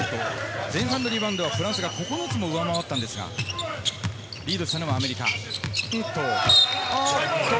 前半のリバウンドはフランスが９つも上回ったんですが、リードしたのはアメリカ。